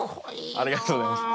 ありがとうございます。